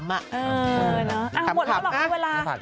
เออนะหมดแล้วหรือเป็นเวลาขำนะ